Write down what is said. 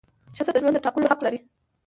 ښځه د ژوند د ټاکلو حق لري.